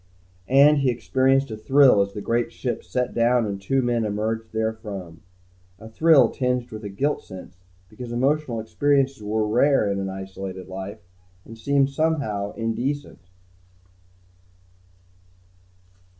And he experienced a thrill as the great ship set down and two men emerged therefrom. A thrill tinged with a guilt sense, because emotional experiences were rare in an isolated life and seemed somehow indecent.